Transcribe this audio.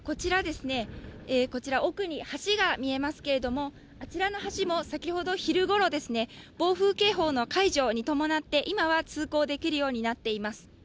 奥に、橋が見えますけれどもあちらの橋も先ほど昼ごろ、暴風警報の解除に伴って今は通行できるようになっています。